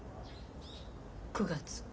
９月。